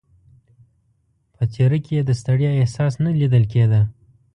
په څېره کې یې د ستړیا احساس نه لیدل کېده.